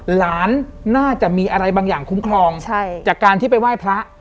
หลานน่าจะมีอะไรบางอย่างคุ้มครองจากการที่ไปไหว้พระ